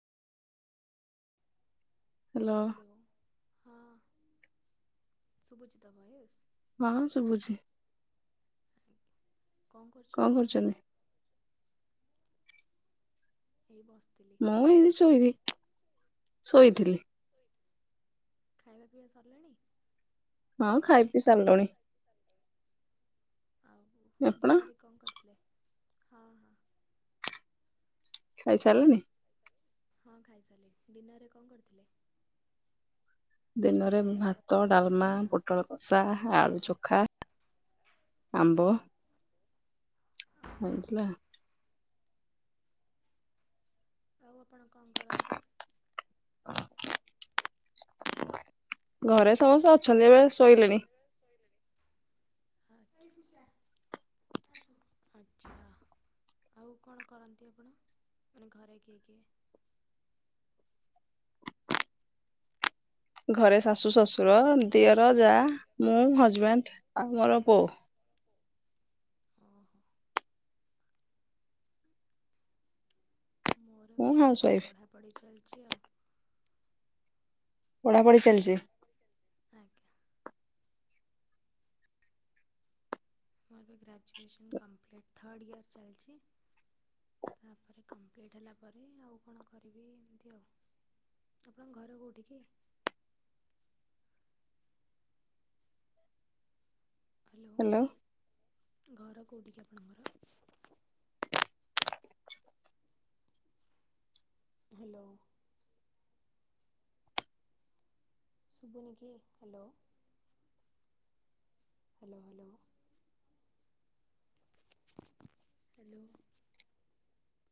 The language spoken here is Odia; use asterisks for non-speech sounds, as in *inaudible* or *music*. ହ୍ୟାଲୋ ହେଲୋ ହଁ ସୁବୁଛି ତ ଭଏସ୍? ହଁ ସୁବୁଛି। ଆଜ୍ଞା। କଣ କରୁଚ? କିଛି ନାଇ। ଏଇ ବସ୍ଥିଲି। ମୁଁ ଏମିତି ଶୋଇବି ଶୋଇଥିଲି। ଖାଇବା ପିଇବା ସର୍ଲାଣି? ହଁ ଖାଇ ପିଇ ସାର୍ଲୁଣି। ଆଉ ଆପଣ ଡିନର୍ ରେ ଙ୍କ କରିଥିଲେ ହଁ ହଁ। ଖାଇସାଲନି? ହଁ ଖାଇସାର୍ଲିଣି ଡିନର୍ ରେ ଙ୍କ କର୍ଥିଲେ? ଦିନରେ ମୁ ଭାତ, ଡାଲ୍ମା, ପୋଟଳ କଷା, ଆଳୁ ଚଖା ଆମ୍ବ ଆଣିଥିଲା। ଆଉ ଆପଣ କଣ କରନ୍ତି? ଘରେ ସମସ୍ତେ ଅଛନ୍ତି ଏବେ ଶୋଇଲେଣି *inaudible* *unintelligible* ଆଚ୍ଛା। ଆଉ କଣ କରନ୍ତି ଆପଣ ମାନେ ଘରେ କିଏ କିଏ? ଘରେ ଶାଶୁ ଶଶୁର ଦିଅର ଯା ମୁଁ ହଜବେଣ୍ଡ ଆଉ ମୋର ବୋଉ। ଓହୋ। ମୋର ବି ମୁଁ ହାଉସ ଏମିତି ୱାଇଫ ପଢ଼ାପଢ଼ି ଚାଲିଛି ଆଉ। ପଢାପଢି ଚାଲିଛି? ଆଜ୍ଞା। ମୋର ଏବେ ଗ୍ରାଜୁଏସନ୍ କମ୍ପ୍ଲିଟ୍ ଥାର୍ଡ଼ ଇୟର୍ ଚାଲିଛି ତାପରେ କମ୍ପ୍ଲିଟ୍ ହେଲା ପରେ ଆଉ କଣ କରିବି ଏମିତି ଆଉ। ଆପଣଙ୍କ ଘର କେଉଠି କି? ହ୍ୟାଲୋ ଘର କୋଉଠି କି ଆପଣଙ୍କର। ହ୍ୟାଲୋ। ଶୁଭୁନି କି ହ୍ୟାଲୋ। Hello hello. ହ୍ୟାଲୋ।